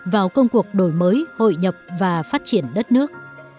vào công cuộc đổi mới hội nhập và phát triển đất nước